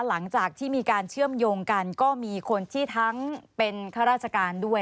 หลังจากที่มีการเชื่อมโยงกันก็มีคนที่ทั้งเป็นข้าราชการด้วย